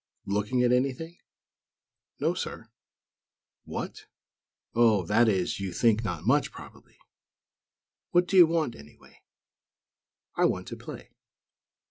"Looking at anything?" "No, sir." "What!! Oh, that is, you think 'not much,' probably. What do you want, anyway?" "I want to play."